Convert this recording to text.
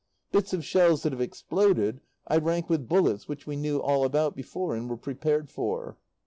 Bits of shells that have exploded I rank with bullets which we knew all about before and were prepared for.